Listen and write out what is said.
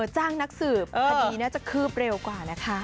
จ้างนักสืบคดีน่าจะคืบเร็วกว่านะคะ